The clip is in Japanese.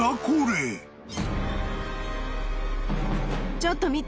ちょっと見て。